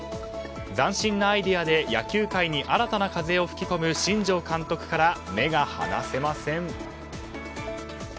斬新なアイデアで野球界に新たな風を吹き込む新庄監督から目が離せません。